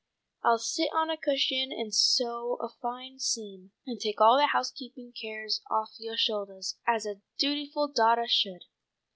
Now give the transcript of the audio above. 'I'll sit on a cushion and sew a fine seam' and take all the housekeeping cares off yoah shouldahs as a dutiful daughtah should."